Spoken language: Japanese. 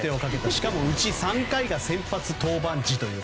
しかも、うち３回が先発登板時。